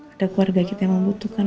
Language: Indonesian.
ada keluarga kita yang membutuhkan